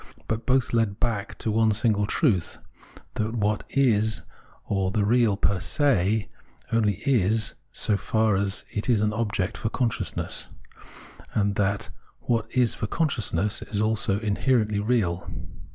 But both lead back to one single truth, that what is or the real per se only is so far as it is an object for consciousness, and that what is for consciousness is also inherently real.